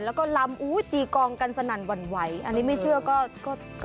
แล้วก็ลำอุ้ยตีกองกันสนั่นหวั่นไหวอันนี้ไม่เชื่อก็ก็